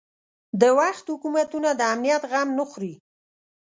د وخت حکومتونه د امنیت غم نه خوري.